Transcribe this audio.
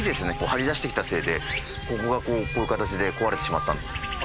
張り出してきたせいでここがこうこういう形で壊れてしまったんです。